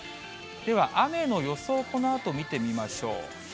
では雨の予想、このあと見てみましょう。